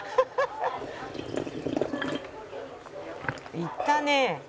「いったね」